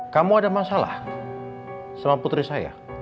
kamu ada masalah sama putri saya